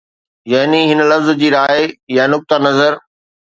يعني هن لفظ جي راءِ يا نقطه نظر